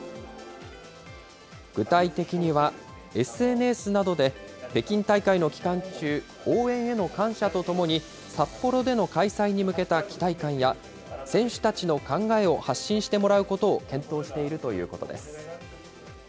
具体的には、ＳＮＳなどで北京大会の期間中、応援への感謝とともに、札幌での開催に向けた期待感や、選手たちの考えを発信してもらうことを検討しているということです。